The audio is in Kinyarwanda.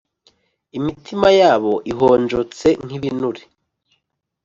imitima yabo ihonjotse nk ibinure